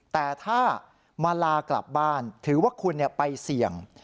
แต่ถ้ามาลากลับบ้านถือว่าคุณไปเสี่ยง